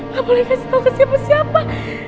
gak boleh kasih tau ke siapa siapa